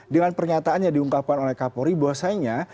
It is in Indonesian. dengan pernyataannya diungkapkan oleh kapolri bahwasanya